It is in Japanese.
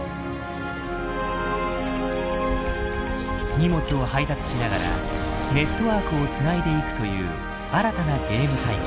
荷物を配達しながらネットワークを繋いでいくという新たなゲーム体験。